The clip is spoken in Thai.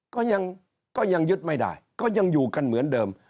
ก็ยังก็ยังยึดไม่ได้ก็ยังอยู่กันเหมือนเดิม